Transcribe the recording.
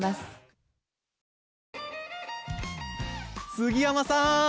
杉山さん！